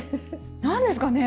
何ですかね